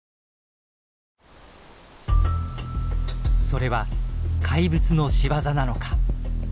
それは怪物の仕業なのか。